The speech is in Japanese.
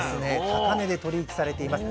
高値で取り引きされています。